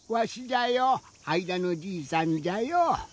あいだのじいさんじゃよ。